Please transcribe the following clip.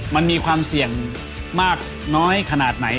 มันมีความเสี่ยงมากน้อยขนาดไหน